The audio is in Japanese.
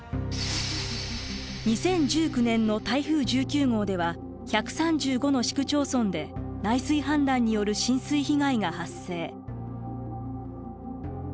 ２０１９年の台風１９号では１３５の市区町村で内水氾濫による浸水被害が発生。